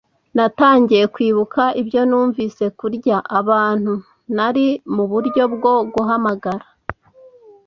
Natangiye kwibuka ibyo numvise kurya abantu. Nari muburyo bwo guhamagara